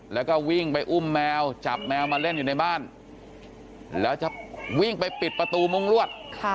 แล้วก็วิ่งไปอุ้มแมวจับแมวมาเล่นอยู่ในบ้านแล้วจะวิ่งไปปิดประตูมุ้งลวด